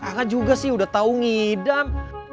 anak juga sih udah tau ngidam